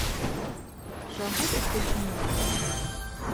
Чаго тут толькі няма!